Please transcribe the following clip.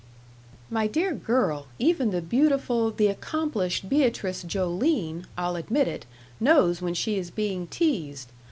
"My dear girl, even the beautiful, the accomplished Beatrice Joline I'll admit it knows when she is being teased.